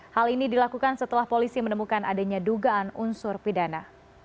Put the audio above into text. hal ini dilakukan setelah polisi menemukan adanya dugaan unsur pidana